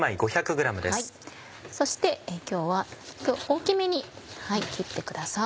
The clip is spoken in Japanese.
そして今日は大きめに切ってください。